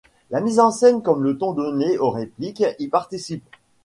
La mise en scène comme le ton donné aux répliques y participe.